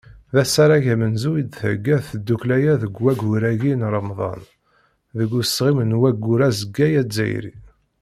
D asarag amenzu i d-thegga tddukkla-a deg waggur-agi n Remḍan, deg usɣim n Waggur Azeggaɣ Azzayri.